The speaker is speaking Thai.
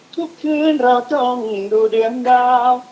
ทุกคืนเราต้องดูดวงดาว